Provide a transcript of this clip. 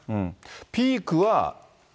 ピークは。